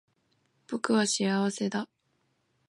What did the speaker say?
僕は幸せだ